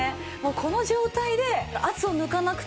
この状態で圧を抜かなくてもいきます。